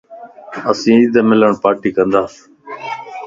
اسين عيد ملڻ پارٽي ڪنتا